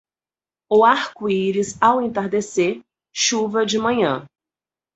O arco-íris ao entardecer, chuva de manhã.